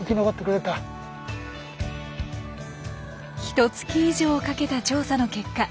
ひとつき以上かけた調査の結果